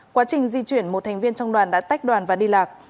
quá trình di chuyển một thành viên trong đoàn đã tách đoàn và đi lạc